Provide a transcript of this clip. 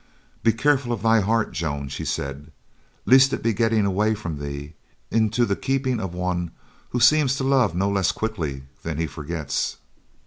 "Be careful of thy heart, Joan," she said, "lest it be getting away from thee into the keeping of one who seems to love no less quickly than he forgets."